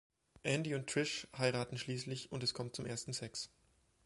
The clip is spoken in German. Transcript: Andy und Trish heiraten schließlich und es kommt zum ersten Sex.